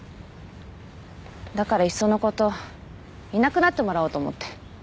だからいっその事いなくなってもらおうと思って。